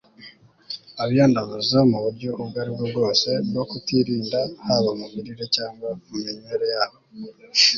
abiyandavuza mu buryo ubwo aribwo bwose bwo kutirinda, haba mu mirire cyangwa mu minywere yabo